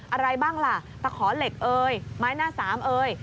อะไรบ้างล่ะตะขอเหล็กเอ่ยไม้หน้าสามเอ่ย